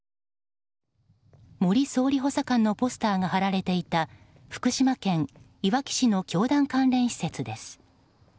森総理補佐官のポスターが貼られていた福島県いわき市の教団関連施設です。